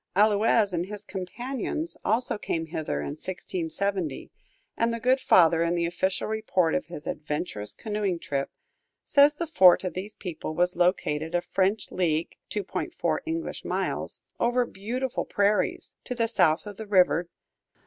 Allouez and his companions also came hither in 1670, and the good father, in the official report of his adventurous canoeing trip, says the fort of these people was located a French league (2.4 English miles) "over beautiful prairies" to the south of the river.